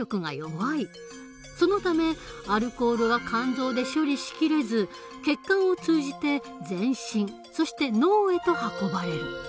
そのためアルコールは肝臓で処理しきれず血管を通じて全身そして脳へと運ばれる。